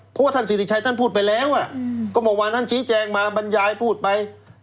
เพราะว่าท่านสิริชัยท่านพูดไปแล้วก็เมื่อวานท่านชี้แจงมาบรรยายพูดไป